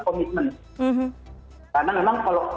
komitmen karena memang kalau